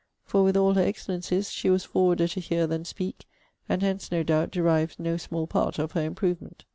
For, with all her excellencies, she was forwarder to hear than speak; and hence, no doubt, derived no small part of her improvement.